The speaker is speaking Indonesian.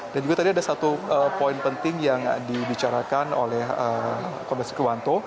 dan juga tadi ada satu poin penting yang dibicarakan oleh komite sriwanto